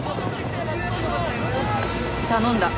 頼んだ。